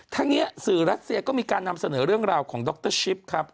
ทั้งนี้สื่อรัสเซียก็มีการนำเสนอเรื่องราวของดรชิปครับ